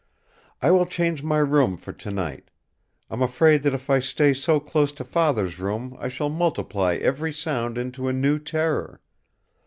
I will change my room for tonight. I'm afraid that if I stay so close to Father's room I shall multiply every sound into a new terror.